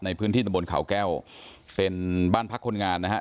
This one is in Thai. ในพื้นที่ตำบลเขาแก้วเป็นบ้านพักคนงานนะฮะ